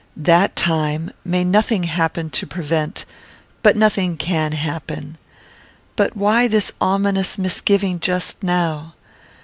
That time may nothing happen to prevent but nothing can happen. But why this ominous misgiving just now?